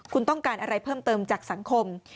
คุณต้องการอะไรเพิ่มเติมจากสังคม